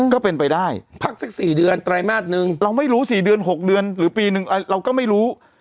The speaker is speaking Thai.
ก็เป็นไปได้พักสัก๔เดือนไตรมาสนึงเราไม่รู้๔เดือน๖เดือนหรือปีนึงเราก็ไม่รู้